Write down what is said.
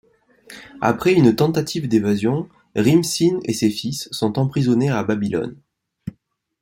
Après une tentative d'évasion, Rîm-Sîn et ses fils sont emprisonnés à Babylone.